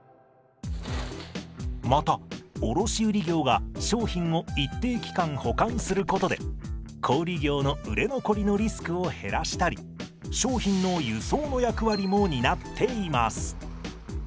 また卸売業が商品を一定期間保管することで小売業の売れ残りのリスクを減らしたり商品の輸送の役割も担っています。